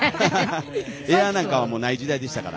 エアなんかはない時代でしたから。